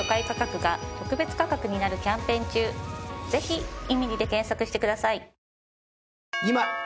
ぜひ「イミニ」で検索してください。